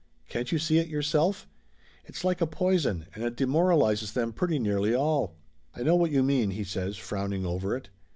Can't you see it, yourself? It's like a poison and it demoralizes them pretty nearly all." "I know what you mean," he says frowning over it.